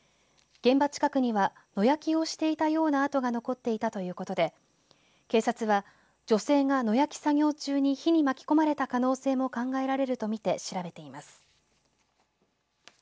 現場近くには野焼きをしていたような跡が残っていたということで警察は、女性が野焼き作業中に火に巻き込まれた可能性も考えられるとみて調べています。